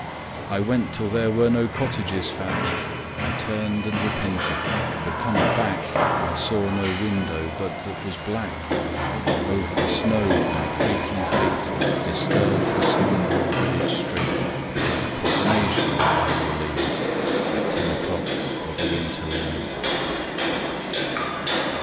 I went till there were no cottages found. I turned and repented, but coming back I saw no window but that was black. Over the snow my creaking feet Disturbed the slumbering village street Like profanation, by your leave, At ten o'clock of a winter eve.